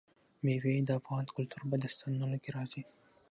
مېوې د افغان کلتور په داستانونو کې راځي.